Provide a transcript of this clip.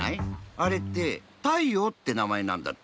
あれって「太陽」ってなまえなんだって。